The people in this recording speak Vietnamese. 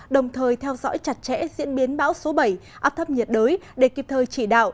đồng thời theo dõi chặt chẽ diễn biến bão số bảy áp thấp nhiệt đới để kịp thời chỉ đạo